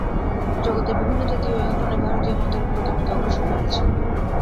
জগতের বিভিন্ন জাতি ঐ আহ্বানে ভারতীয় মতের প্রতিবাদে অগ্রসর হইয়াছে।